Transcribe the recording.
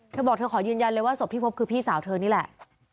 เธอบอกเธอขอยืนยันเลยว่าศพที่พบคือพี่สาวเธอนี่แหละ